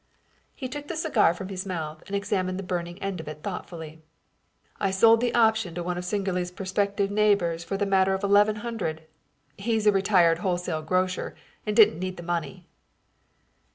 He took the cigar from his mouth and examined the burning end of it thoughtfully. "I sold the option to one of Singerly's prospective neighbors for the matter of eleven hundred. He's a retired wholesale grocer and didn't need the money."